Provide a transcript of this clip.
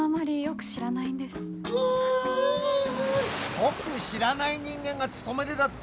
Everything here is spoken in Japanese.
よく知らない人間が勤めでだって